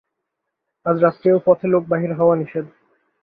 আজ রাত্রেও পথে লোক বাহির হওয়া নিষেধ।